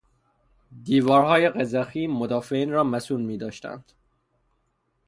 دیوارهای ضخیم مدافعین را مصون میداشتند.